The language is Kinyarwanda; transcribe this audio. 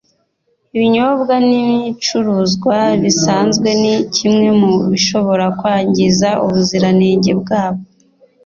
ibinyobwa n’ibicuruzwa bisanzwe ni kimwe mu bishobora kwangiza ubuziranenge bwabyo